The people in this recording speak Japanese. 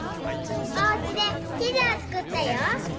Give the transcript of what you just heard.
おうちでちずをつくったよ。